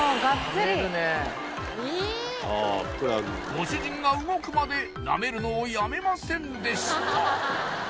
ご主人が動くまで舐めるのをやめませんでした